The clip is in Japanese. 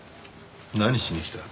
何しに来た？